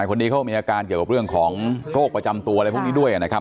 คนนี้เขามีอาการเกี่ยวกับเรื่องของโรคประจำตัวอะไรพวกนี้ด้วยนะครับ